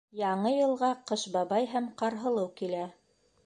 Яңы йылға Ҡыш Бабай һәм Ҡарһылыу килә